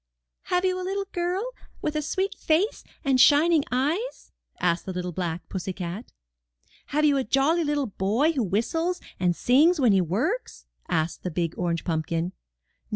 Have you a little girl with a sweet face and shin ing eyes?" asked the little black pussy cat. Have you a jolly little boy who whistles and sings when he works?" asked the big orange pumpkin.